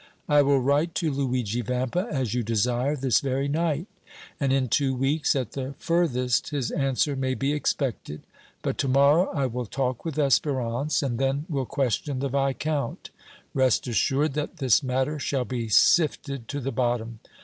I will write to Luigi Vampa as you desire, this very night, and in two weeks at the furthest his answer may be expected, but to morrow I will talk with Espérance and then will question the Viscount. Rest assured that this matter shall be sifted to the bottom.